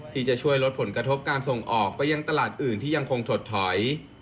ที่จะช่วยลดผลกระทบการส่งออกไปยังตลาดอื่นที่ยังคงถดถอย